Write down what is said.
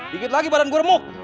dikit lagi badan gua remuk